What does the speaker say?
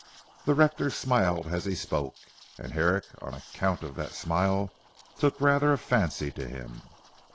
The rector smiled as he spoke, and Herrick on account of that smile took rather a fancy to him.